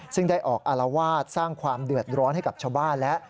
ซึ่งได้ออกอารวาสสร้างความเดือดร้อนให้กับชาวบ้านแล้ว